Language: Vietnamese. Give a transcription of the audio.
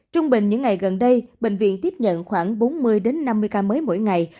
trung bình những ngày gần đây bệnh viện tiếp nhận khoảng bốn mươi năm mươi ca mới mỗi ngày